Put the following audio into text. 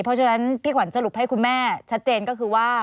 เพราะฉะนั้นพี่ขวัญสรุปให้คุณแม่ชัดเจนก็คือว่า